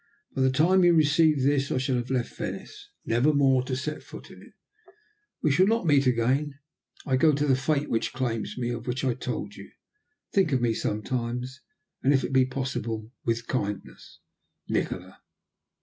"By the time you receive this I shall have left Venice, never more to set foot in it. We shall not meet again. I go to the Fate which claims me, and of which I told you. Think of me sometimes, and, if it be possible, with kindness, "NIKOLA."